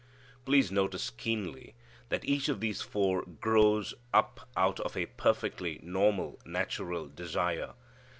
Please notice keenly that each of these four grows up out of a perfectly normal, natural desire.